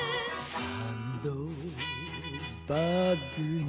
「サンドバックに」